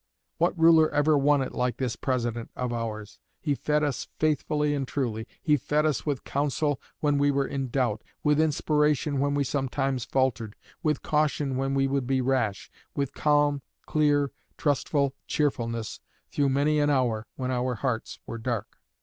What ruler ever won it like this President of ours? He fed us faithfully and truly. He fed us with counsel when we were in doubt, with inspiration when we sometimes faltered, with caution when we would be rash, with calm, clear, trustful cheerfulness through many an hour when our hearts were dark.